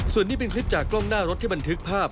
ส่วนนี้เป็นคลิปจากกล้องหน้ารถที่บันทึกภาพ